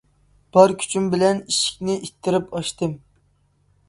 بار كۈچۈم بىلەن ئىشىكنى ئىتتىرىپ ئاچتىم.